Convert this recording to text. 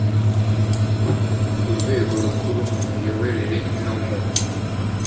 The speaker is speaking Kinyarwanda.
rwo rwego rukuru mu miyoborere no mu